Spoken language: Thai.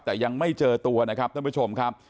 แต่ยังไม่เจอตัวนะครับท่านผู้ชมครับ